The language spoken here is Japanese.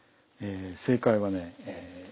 正解はね